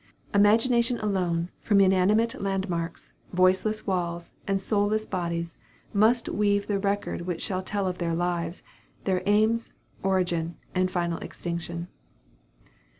Imagination alone, from inanimate landmarks, voiceless walls, and soulless bodies, must weave the record which shall tell of their lives, their aims, origin, and final extinction.